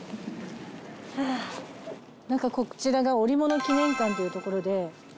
こちらが織物記念館っていうところで。